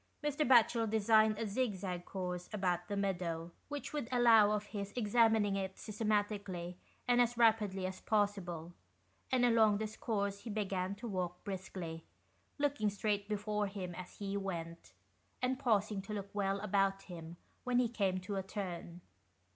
Mr. Batchel designed a zig zag course about the meadow, which would allow of his examining it systematically and as rapidly as possible, and along this course he began to walk briskly, looking straight before him as he went, and pausing to look well about him when he came to a turn.